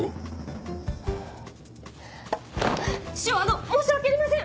市長あの申し訳ありません！